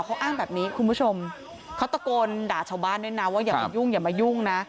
เขาอ้างแบบนี้คุณผู้ชมเขาตะโกนด่าชาวบ้านด้วยนะว่าอย่ามายุ่งอย่ามายุ่งนะ